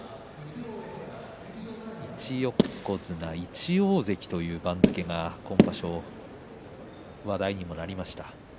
１横綱１大関という番付が今場所、話題にもなりました。